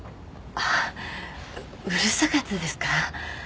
あうるさかったですか？